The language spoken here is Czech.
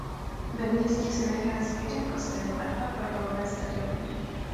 Ve městě se nachází jeden kostel a dva fotbalové stadiony.